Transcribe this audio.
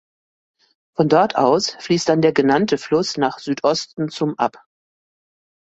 Von dort aus fließt dann der genannte Fluss nach Südosten zum ab.